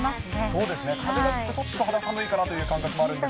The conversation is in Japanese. そうですね、風がちょっと肌寒いかなという感覚もあるんですが。